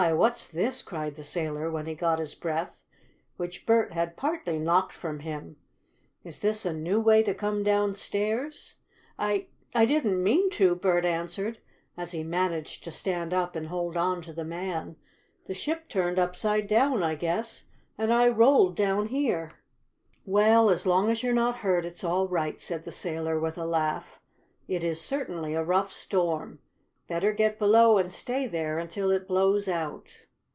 What's this?" cried the sailor, when he got his breath, which Bert had partly knocked from him. "Is this a new way to come downstairs?" "I I didn't mean to," Bert answered, as he managed to stand up and hold on to the man. "The ship turned upside down, I guess, and I rolled down here." "Well, as long as you're not hurt it's all right," said the sailor with a laugh. "It is certainly a rough storm. Better get below and stay there until it blows out."